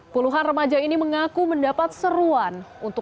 puluhan remaja ini mengaku mendapat seruan